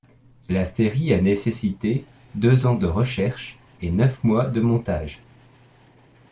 La série a nécessité deux ans de recherches et neuf mois de montage.